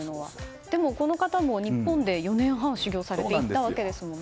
でも、この方も日本で４年半修行されていったわけですよね。